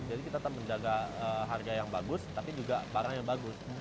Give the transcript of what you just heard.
jadi kita tetap menjaga harga yang bagus tapi juga barang yang bagus